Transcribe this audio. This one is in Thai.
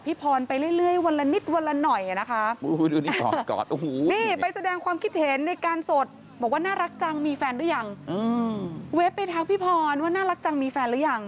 เวฟไปทักพี่พรว่าน่ารักจังมีแฟนหรือยัง